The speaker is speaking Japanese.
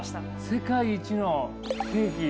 世界一のケーキ。